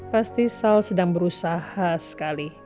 pasti sal sedang berusaha sekali